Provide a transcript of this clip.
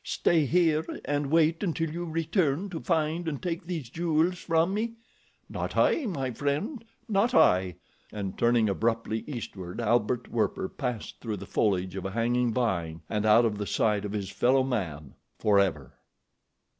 "Stay here and wait until you return to find and take these jewels from me? Not I, my friend, not I," and turning abruptly eastward Albert Werper passed through the foliage of a hanging vine and out of the sight of his fellow man—forever.